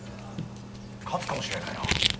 勝つかもしれないな」。